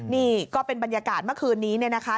นี่ก็เป็นบรรยากาศเมื่อคืนนี้เนี่ยนะคะ